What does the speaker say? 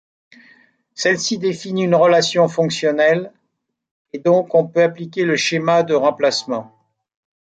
Celle-ci définit une relation fonctionnelle, et donc on peut appliquer le schéma de remplacement.